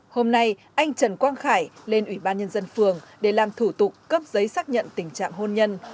hôm nay anh trần quang khải lên ủy ban nhân dân phường để làm thủ tục cấp giấy xác nhận tình trạng hôn nhân